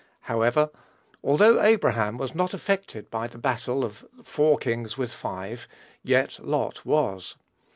However, although Abraham was not affected by the battle of "four kings with five," yet Lot was.